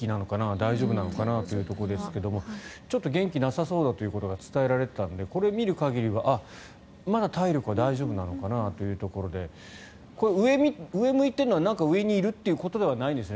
大丈夫なのかなというところですがちょっと元気がなさそうだということが伝えられていたのでこれを見る限りは、まだ体力は大丈夫なのかなというところで上を向いているのは何か上にいるということではないですよね。